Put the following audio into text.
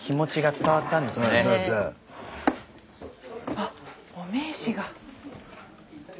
あっお名刺が。